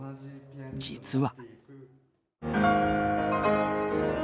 実は。